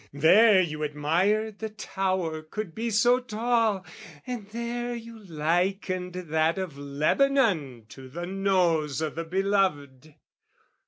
"There you admired the tower could be so tall!" "And there you likened that of Lebanon "To the nose o' the beloved!"